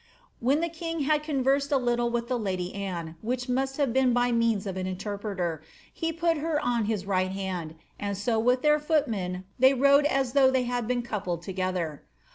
When the king had conversed a little with the lady Anne, which most have been by mean? of an interpreter, ^ he put her on his right hand, and so with tlieir footmen they rode as though tliey had been coupled together.